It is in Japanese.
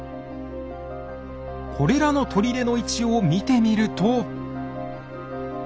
これらの砦の位置を見てみると。